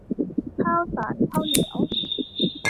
ข้าวสารข้าวเหนียว